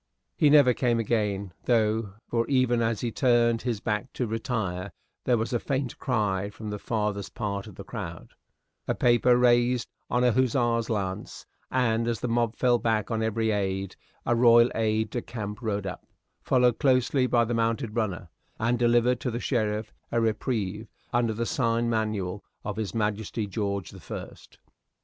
He never came again, though, for, even as he turned his back to retire, there was a faint cry from the farthest part of the crowd, a paper raised on a hussar's lance, and as the mob fell back on every aide, a royal aide de camp rode up, followed closely by the mounted runner, and delivered to the sheriff a reprieve under the sign manual of His Majesty George the First.